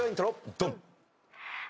ドン！